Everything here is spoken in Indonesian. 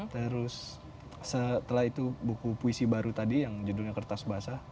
terus setelah itu buku puisi baru tadi yang judulnya kertas basah